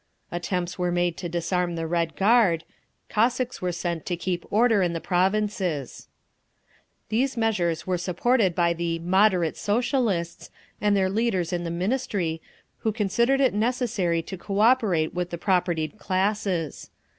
Attempts were made to disarm the Red Guard. Cossacks were sent to keep order in the provinces…. These measures were supported by the "moderate" Socialists and their leaders in the Ministry, who considered it necessary to cooperate with the propertied classes.